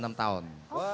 wow enam tahun